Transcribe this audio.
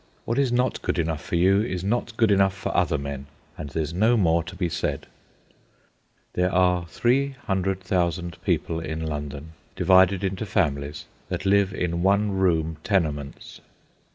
What is not good enough for you is not good enough for other men, and there's no more to be said. There are 300,000 people in London, divided into families, that live in one room tenements.